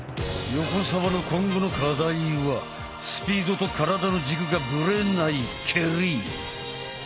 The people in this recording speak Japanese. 横澤の今後の課題はスピードと体の軸がブレない蹴り。